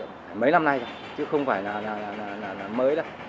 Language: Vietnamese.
ít là hai lần tra rồi mấy năm nay rồi chứ không phải là mới đâu